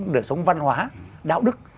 để sống văn hóa đạo đức